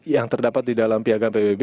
yang terdapat di dalam piagam pbb